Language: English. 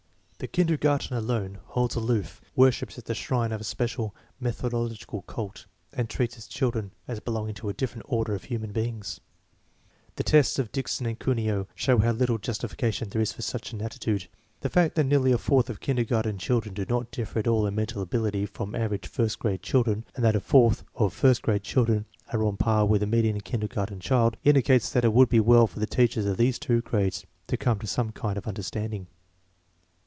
The kinder garten alone holds aloof, worships at the shrine of a special methodological cult, and treats its children as belonging to a different order of human beings. The tests of Dickson and Cuneo show how little justification there is for such an attitude. The fact that nearly a fourth of kindergarten children do not differ at all in mental ability from average first grade children, and that a fourth of first grade children are on a par with the median kindergarten child, indicates that it would be well for the teachers of these two grades to come to some kind of understanding.